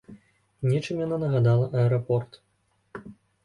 Нечым яна нагадала аэрапорт.